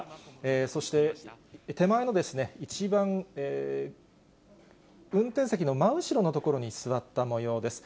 そして手前の一番、運転席の真後ろの所に座ったもようです。